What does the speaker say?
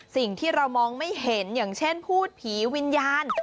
สิ่งที่เรามองไม่เห็นอย่างเช่นพูดผีวิญญาณ